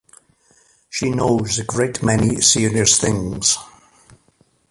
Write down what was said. She knows a great many serious things.